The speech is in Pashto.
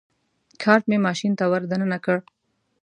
کارټ مې ماشین ته ور دننه کړ.